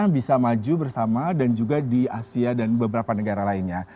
bisa maju bersama dan juga di asia dan beberapa negara lainnya